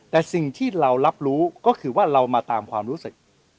แต่สิ่งที่เรารับรู้ก็คือว่าเรามาตามความรู้สึก